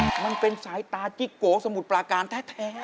มันเป็นสายตาจิ๊กโกสมุทรปลาการแท้